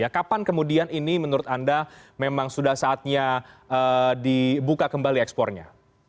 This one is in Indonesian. kapan kemudian ini menurut anda memang sudah saatnya dibuka kembali ekspornya